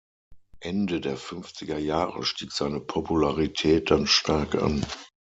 Ende der fünfziger Jahre stieg seine Popularität dann stark an.